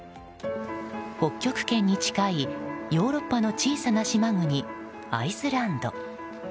北極圏に近い、ヨーロッパの小さな島国アイスランド。